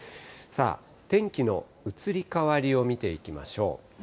天気の移り変わりを見ていきましょう。